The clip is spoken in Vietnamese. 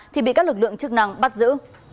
thì bị các lực lượng chức năng bắt giữ